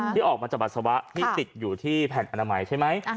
ที่ออกมาจากปัสสาวะที่ติดอยู่ที่แผ่นอนามัยใช่ไหม